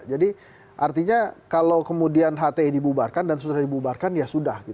jadi artinya kalau kemudian hti dibubarkan dan sudah dibubarkan ya sudah